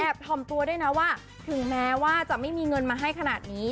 ถ่อมตัวด้วยนะว่าถึงแม้ว่าจะไม่มีเงินมาให้ขนาดนี้